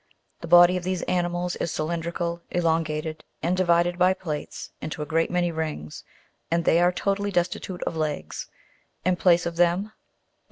The body of these animals is cylindrical, elongated, and divided by plaits into a great many rings, and they are totally destitute of legs ; in place of them, we find on Explanation of Fig.